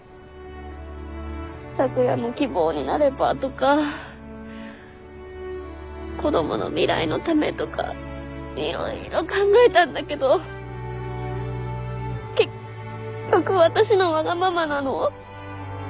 拓哉の希望になればとか子どもの未来のためとかいろいろ考えたんだけど結局私のわがままなの。